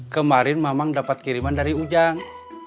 kemarin memang dapat kiriman dari ujang